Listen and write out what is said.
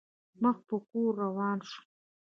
مخ په کور روان شوم.